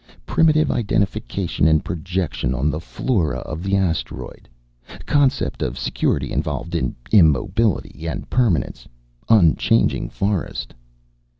Primitive identification and projection on the flora of the asteroid. Concept of security involved in immobility and permanence. Unchanging forest.